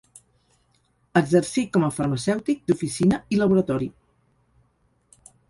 Exercí com a farmacèutic d’oficina i laboratori.